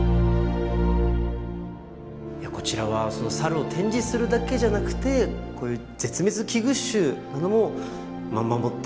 こちらはサルを展示するだけじゃなくてこういう絶滅危惧種なども守っているということなんですね。